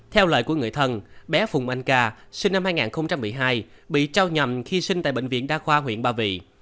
theo lời của người thân bé phùng anh ca sinh năm hai nghìn một mươi hai bị trao nhầm khi sinh tại bệnh viện đa khoa huyện ba vì